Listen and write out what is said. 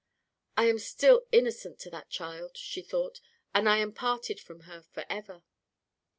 "I am still innocent to that child," she thought "and I am parted from her forever!"